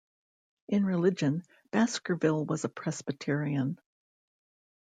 In religion, Baskerville was a Presbyterian.